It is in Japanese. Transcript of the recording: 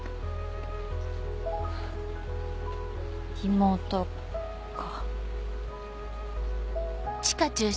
妹か。